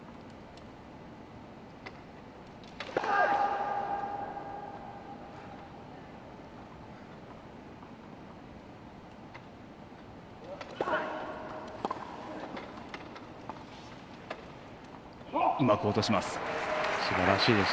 うまく落とします。